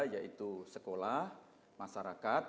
yaitu sekolah masyarakat